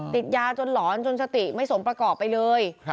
ติดยาจนหลอนจนสติไม่สมประกอบไปเลย